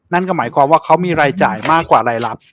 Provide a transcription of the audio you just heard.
นั่นก็หมายความว่าเขามีรายจ่ายมากกว่ารายรับ